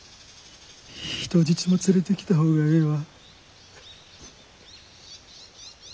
人質も連れてきた方がええわ。